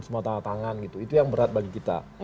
semua tanah tangan gitu itu yang berat bagi kita